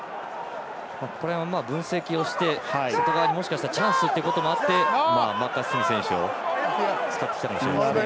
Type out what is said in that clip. これを分析して外側にもしかしたらチャンスということもあってマーカス・スミス選手を使ってきたかもしれませんね。